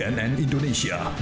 yang ditangani oleh pores metro